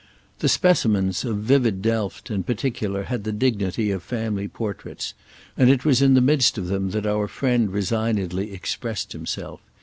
The specimens of vivid Delf, in particular had the dignity of family portraits; and it was in the midst of them that our friend resignedly expressed himself.